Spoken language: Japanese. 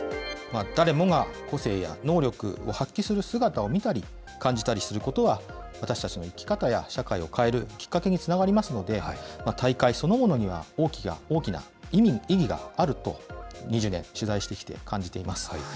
誰もが個性や能力を発揮する姿を見たり、感じたりすることは、私たちの生き方や、社会を変えるきっかけにつながりますので、大会そのものには大きな意義があると、２０年取材してきて感じています。